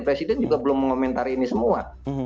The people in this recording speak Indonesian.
presiden juga belum mengomentari ini semua